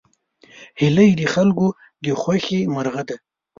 هیلۍ د خلکو د خوښې مرغه ده